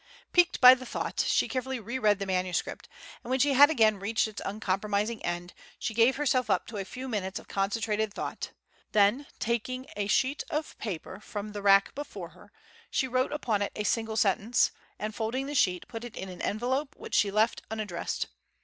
Piqued by the thought, she carefully reread the manuscript, and when she had again reached its uncompromising end, she gave herself up to a few minutes of concentrated thought, then, taking a sheet of paper from the rack before her, she wrote upon it a single sentence, and folding the sheet, put it in an envelope which she left unaddressed.